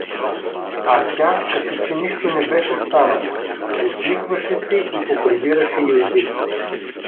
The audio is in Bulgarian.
А тя, като че нищо не беше станало, усмихваше се и поприбираше юздите.